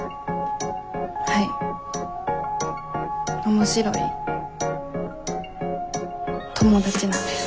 面白い友達なんです。